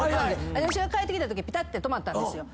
私が帰ってきたときピタッて止まったんですよ。